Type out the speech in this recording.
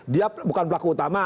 dia bukan pelaku utama